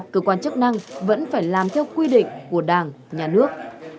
cơ quan chức năng vẫn phải làm theo quy định của đảng nhà nước